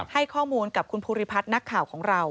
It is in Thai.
ให้ข้อมูลกับคุณภูริพัฒน์นักข่าวของเรา